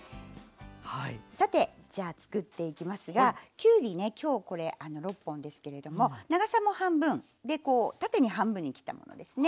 さてじゃあ作っていきますがきゅうりね今日これ６本ですけれども長さも半分でこう縦に半分に切ったものですね。